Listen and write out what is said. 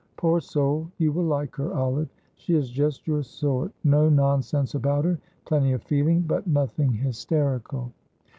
Poor soul, you will like her, Olive. She is just your sort; no nonsense about her, plenty of feeling, but nothing hysterical."